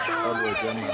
dua jaman gitu